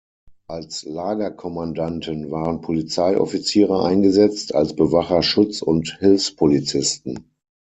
Als Lagerkommandanten waren Polizeioffiziere eingesetzt, als Bewacher Schutz- und Hilfspolizisten.